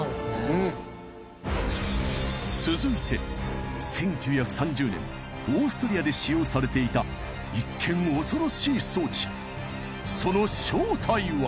うん続いて１９３０年オーストリアで使用されていた一見恐ろしい装置その正体は？